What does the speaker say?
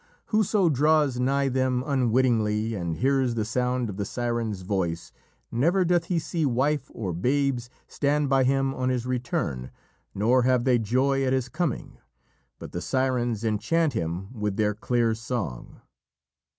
Whoso draws nigh them unwittingly and hears the sound of the Siren's voice, never doth he see wife or babes stand by him on his return, nor have they joy at his coming; but the Sirens enchant him with their clear song."